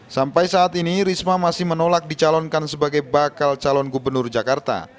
sampai saat ini risma masih menolak dicalonkan sebagai bakal calon gubernur jakarta